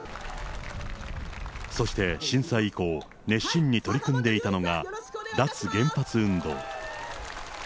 そして震災以降、熱心に取り組んでいたのが、脱原発運動。